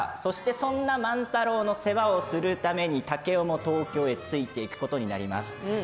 そんな万太郎の世話をするために竹雄も東京へついていくことになります。